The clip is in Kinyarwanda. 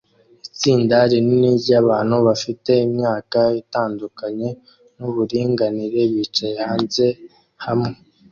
Itsinda rinini ryabantu bafite imyaka itandukanye nuburinganire bicara hanze hamwe